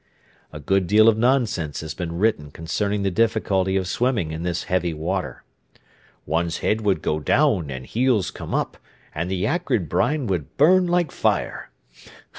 A good deal of nonsense has been written concerning the difficulty of swimming in this heavy water. "One's head would go down, and heels come up, and the acrid brine would burn like fire."